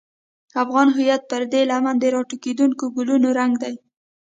افغان هویت پر دې لمن د راټوکېدونکو ګلونو رنګ دی.